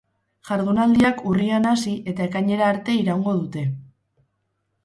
Jardunaldiak urrian hasi eta ekainera arte iraungo dute.